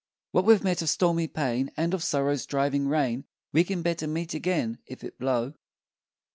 What we've met of stormy pain, And of sorrow's driving rain, We can better meet again, If it blow!